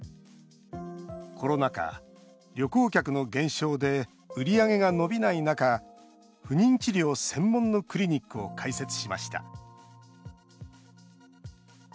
コロナ禍、旅行客の減少で売り上げが伸びない中不妊治療専門のクリニックを開設しました。